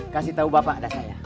kasih tahu bapak ada saya